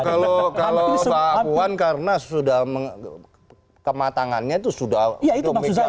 kalau pak puan karena sudah kematangannya itu sudah panjang